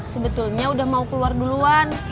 sebetulnya udah mau keluar duluan